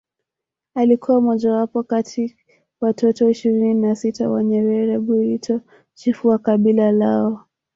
Alikuwa mojawapo kati watoto ishirini na sita wa Nyerere Burito chifu wa kabila lao